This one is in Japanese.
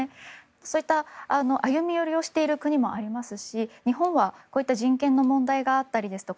そういった歩み寄りをしている国もありますし日本はこういった人権の問題があったりですとか